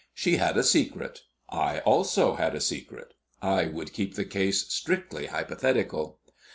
She had a secret I also had a secret. I would keep the case strictly hypothetical.